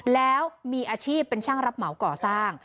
แล้วมีอาชีพเป็นช่างรับเหมาก่อสร้าง